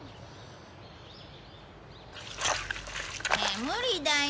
ねえ、無理だよ。